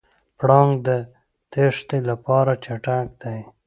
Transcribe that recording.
پړانګ د تېښتې لپاره چټک دی.